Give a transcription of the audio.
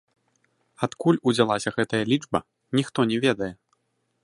Адкуль узялася гэтая лічба, ніхто не ведае.